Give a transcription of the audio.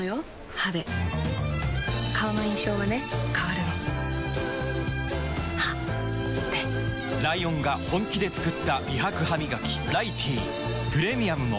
歯で顔の印象はね変わるの歯でライオンが本気で作った美白ハミガキ「ライティー」プレミアムも